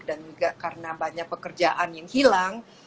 dan juga karena banyak pekerjaan yang hilang